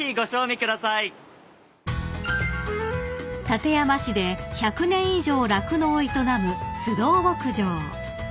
［館山市で１００年以上酪農を営む須藤牧場］